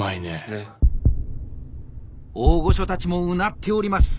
大御所たちもうなっております。